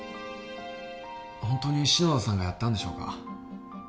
本当に篠田さんがやったんでしょうか？